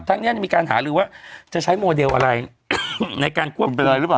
ทั้งเนี้ยมีการหารึว่าจะใช้โมเดลอะไรในการควบคุมคุณเป็นไรรึเปล่า